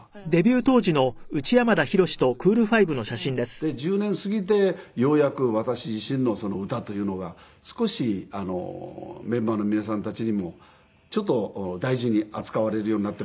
で１０年過ぎてようやく私自身の歌というのが少しメンバーの皆さんたちにもちょっと大事に扱われるように。